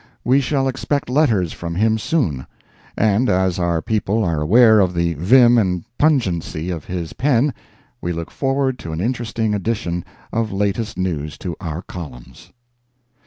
We shall expect letters from him soon; and as our people are aware of the vim and pungency of his pen we look forward to an interesting addition of latest news to our columns.